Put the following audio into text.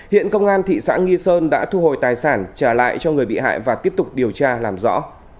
hiện công an thị xã nghi sơn đã thu hồi tài sản trả lại cho người bị hại và tiếp tục điều tra làm rõ